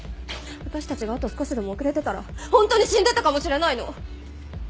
私たちがあと少しでも遅れてたらホントに死んでたかもしれないの！